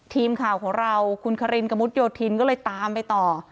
ทีมข่าวของเราคุณคารินกระมุดโยธินก็เลยตามไปต่อ